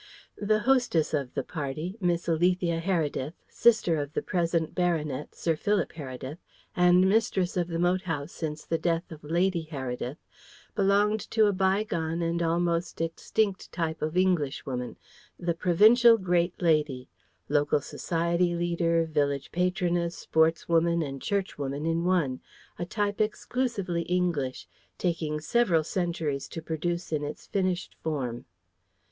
The hostess of the party, Miss Alethea Heredith, sister of the present baronet, Sir Philip Heredith, and mistress of the moat house since the death of Lady Heredith, belonged to a bygone and almost extinct type of Englishwoman, the provincial great lady, local society leader, village patroness, sportswoman, and church woman in one, a type exclusively English, taking several centuries to produce in its finished form.